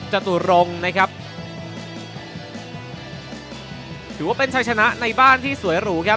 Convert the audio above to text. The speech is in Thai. จตุรงค์นะครับถือว่าเป็นชัยชนะในบ้านที่สวยหรูครับ